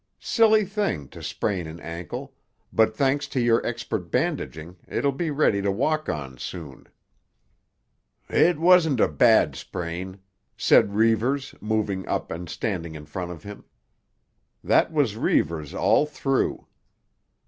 "Silly thing, to sprain an ankle; but thanks to your expert bandaging it'll be ready to walk on soon." "It wasn't a bad sprain," said Reivers, moving up and standing in front of him. That was Reivers all through.